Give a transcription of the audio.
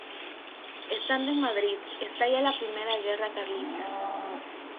Estando en Madrid estalla la Primera Guerra Carlista.